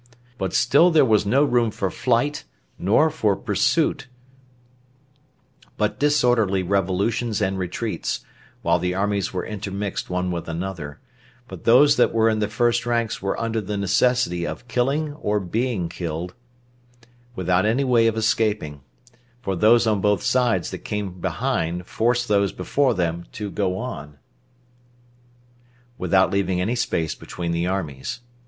But still there was no room for flight, nor for pursuit, but disorderly revolutions and retreats, while the armies were intermixed one with another; but those that were in the first ranks were under the necessity of killing or being killed, without any way for escaping; for those on both sides that came behind forced those before them to go on, without leaving any space between the armies.